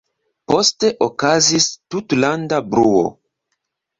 Poste okazis tutlanda bruo.